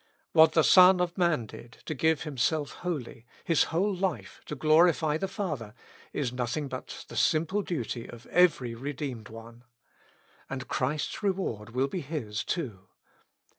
What the Son of Man did, to give Himself wholly. His whole life, to glorify the Father, is nothing but the simple duty of every redeemed one. And Christ's reward will be his too.